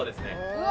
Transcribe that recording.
うわ！